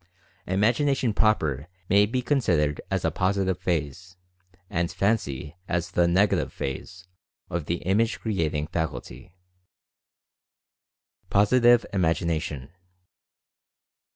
"Imagination proper" may be consid ered as a Positive phase, and "Fancy" as the Nega tive phase, of the Image creating faculty. POSITIVE IMAGINATION.